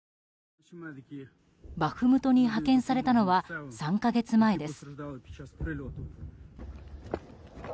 バフムトに派遣されたのは３か月前です。